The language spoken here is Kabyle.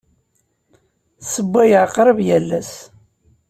Ssewwayeɣ qrib yal ass.